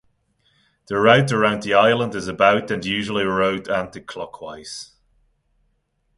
The route around the island is about and usually rowed anticlockwise.